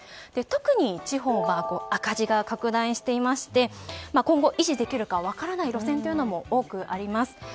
特に地方は赤字が拡大していまして今後、維持できるか分からない路線も多くあります。